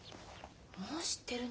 もう知ってるの？